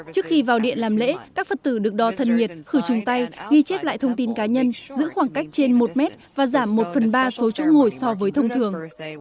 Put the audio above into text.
trước khi vào điện làm lễ các phật tử được đo thân nhiệt khử trùng tay ghi chép lại thông tin cá nhân giữ khoảng cách trên một mét và giảm một phần ba số chỗ ngồi so với thông thường